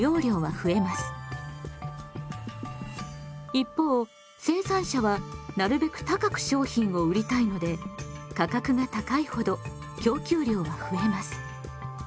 一方生産者はなるべく高く商品を売りたいので価格が高いほど供給量は増えます。